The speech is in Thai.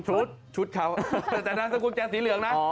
ชุดชุดเขาแต่นามสกุลแกนสีเหลืองนะ